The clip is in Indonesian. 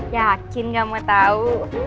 yakin gak mau tau